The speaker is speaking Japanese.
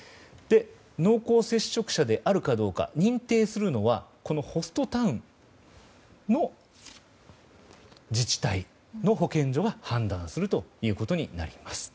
濃厚接触者であるかどうか認定するのはこのホストタウンの自治体の保健所が判断するということになります。